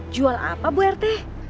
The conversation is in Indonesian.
jual apa bu rt